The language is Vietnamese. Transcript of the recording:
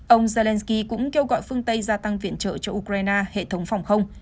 ông zelensky cũng kêu gọi phương tây gia tăng viện trợ cho ukraine hệ thống phòng không